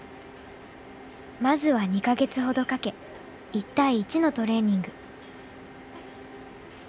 まずは２か月ほどかけ１対１のトレーニング。